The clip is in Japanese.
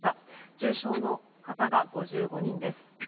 重症の方が５５人です。